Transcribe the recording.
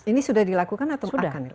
ini sudah dilakukan atau akan